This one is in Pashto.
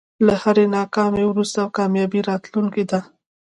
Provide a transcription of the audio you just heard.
له هری ناکامۍ وروسته کامیابي راتلونکی ده.